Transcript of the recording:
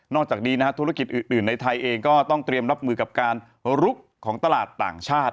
จากนี้นะฮะธุรกิจอื่นในไทยเองก็ต้องเตรียมรับมือกับการลุกของตลาดต่างชาติ